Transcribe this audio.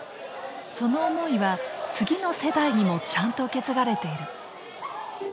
その思いは次の世代にもちゃんと受け継がれている。